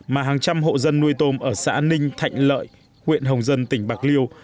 mà hàng trăm hộ dân nuôi tôm ở xã ninh thạnh lợi huyện hồng dân tỉnh bạc liêu